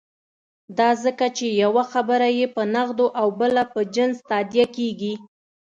دا ځکه چې یوه برخه یې په نغدو او بله په جنس تادیه کېږي.